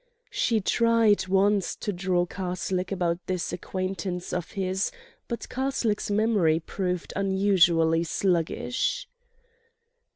She tried once to draw Karslake about this acquaintance of his, but Karslake's memory proved unusually sluggish.